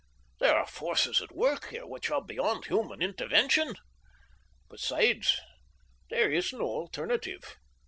There are forces at work here which are beyond human intervention. Besides, there is no alternative.